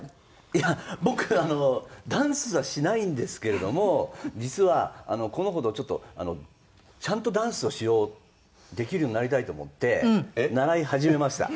いや僕あのダンスはしないんですけれども実はこのほどちょっとちゃんとダンスをしようできるようになりたいと思って習い始めました。